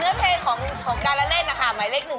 เนื้อเพลงของการละเล่นนะคะหมายเลขหนึ่ง